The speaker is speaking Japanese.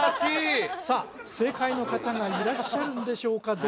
さあ正解の方がいらっしゃるんでしょうか？